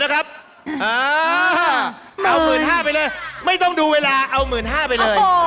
เอา๑๕๐๐ไปเลยไม่ต้องดูเวลาเอา๑๕๐๐ไปเลย